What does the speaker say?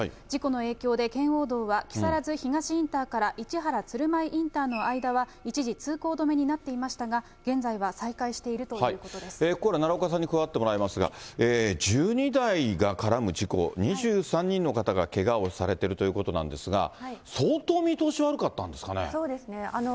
事故の影響で圏央道は木更津東インターから市原鶴舞インターの間は一時通行止めになっていましたが、現在は再開しているというこ奈良岡さんに加わってもらいますが、１２台が絡む事故、２３人の方がけがをされてるということなんですが、そうですね。